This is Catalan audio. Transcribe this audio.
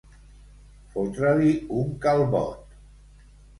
Fotre-li un calbot.